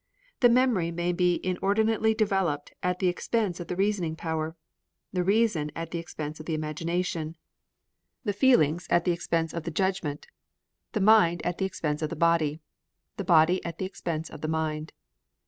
The memory may be inordinately developed at the expense of the reasoning power, the reason at the expense of the imagination, the feelings at the expense of the judgment, the mind at the expense of the body, the body at the expense of the mind.